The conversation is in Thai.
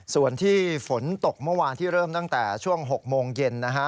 ส่วนที่ฝนตกเมื่อวานที่เริ่มตั้งแต่ช่วง๖โมงเย็นนะฮะ